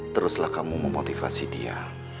teruslah kamu memotivasi dia